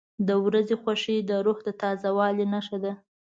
• د ورځې خوښي د روح د تازه والي نښه ده.